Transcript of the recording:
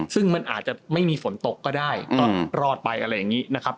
ซึ่งมันอาจจะไม่มีฝนตกก็ได้รอดไปอะไรอย่างนี้นะครับ